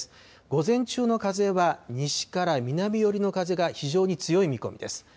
午前中の風は西から南寄りの風が非常に強い見込みです。